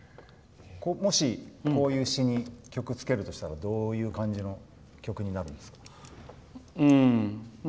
もし、こういう詩に曲をつけるとしたらどういう感じの曲になるんですか？